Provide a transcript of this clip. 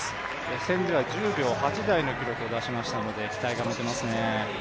予選では１０秒８台の記録を出しましたので期待が持てますね。